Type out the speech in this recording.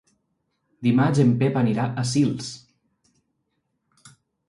Dimarts en Pep anirà a Sils.